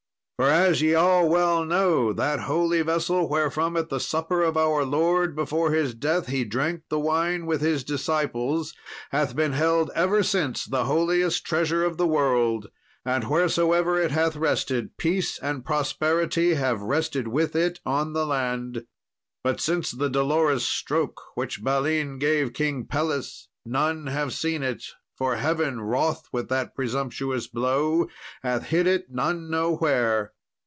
For as ye all well know, that holy vessel, wherefrom at the Supper of our Lord before His death He drank the wine with His disciples, hath been held ever since the holiest treasure of the world, and wheresoever it hath rested peace and prosperity have rested with it on the land. But since the dolorous stroke which Balin gave King Pelles none have seen it, for Heaven, wroth with that presumptuous blow, hath hid it none know where.